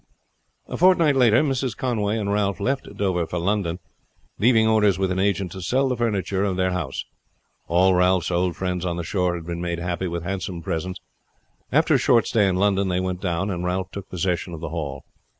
A fortnight later Mrs. Conway and Ralph left Dover for London, leaving orders with an agent to sell the furniture of their house. All Ralph's old friends on the shore had been made happy with handsome presents. After a short stay in London they went down, and Ralph took possession of the Hall.